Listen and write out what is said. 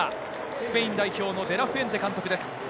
スペイン代表のデラフェンテ監督です。